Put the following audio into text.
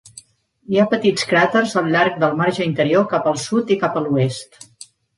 Hi ha petits cràters al llarg del marge interior cap al sud i cap a l'oest.